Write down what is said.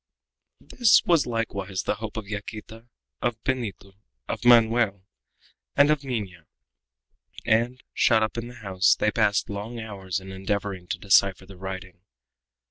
This was likewise the hope of Yaquita, of Benito, of Manoel, and of Minha, and, shut up in the house, they passed long hours in endeavoring to decipher the writing.